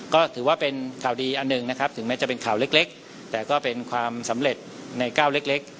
ก็ถือว่าเป็นข่าวดีอันหนึ่งนะครับถึงแม้จะเป็นข่าวเล็กแต่ก็เป็นความสำเร็จในก้าวเล็ก